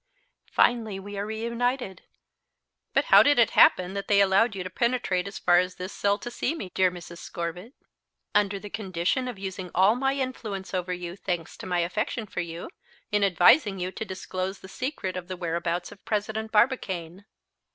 "Finally we are reunited." "But how did it happen that they allowed you to penetrate as far as this cell to see me, dear Mrs. Scorbitt?" "Under the condition of using all my influence over you, thanks to my affection for you, in advising you to disclose the secret of the whereabouts of President Barbicane."